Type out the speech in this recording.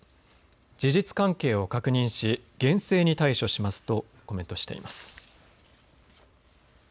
事実関係を確認し厳正に対処しますとコメントしています。